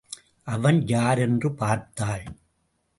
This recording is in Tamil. அவன் யாரென்று பார்த்தாள்.